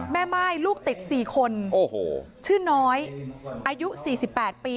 แม่ม่ายลูกติดสี่คนโอ้โหชื่อน้อยอายุสี่สิบแปดปี